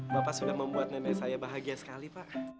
bapak sudah membuat nenek saya bahagia sekali pak